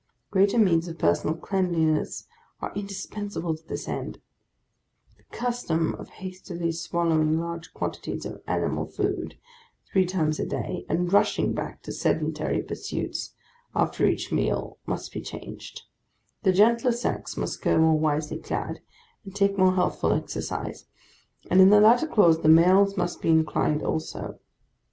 Greater means of personal cleanliness, are indispensable to this end; the custom of hastily swallowing large quantities of animal food, three times a day, and rushing back to sedentary pursuits after each meal, must be changed; the gentler sex must go more wisely clad, and take more healthful exercise; and in the latter clause, the males must be included also.